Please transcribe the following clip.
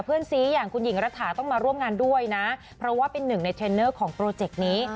เพื่อนซีอย่างคุณหญิงรัฐาต้องมาร่วมงานด้วยนะเพราะว่าเป็นหนึ่งในเทรนเนอร์ของโปรเจกต์นี้